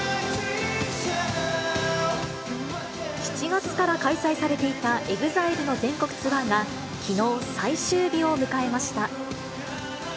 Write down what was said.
７月から開催されていたＥＸＩＬＥの全国ツアーがきのう、最終日を迎えました。